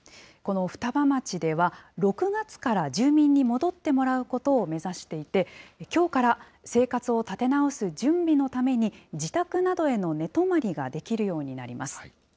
この双葉町では、６月から住民に戻ってもらうことを目指していて、きょうから生活を立て直す準備のために、自宅などへの寝泊まりができるようになります。